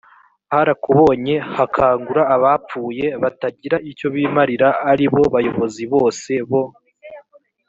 harakubonye hakangura abapfuye batagira icyo bimarira ari bo bayobozi bose bo